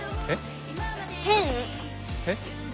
えっ？